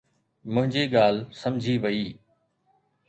منهنجي ڳالهه سمجهي وئي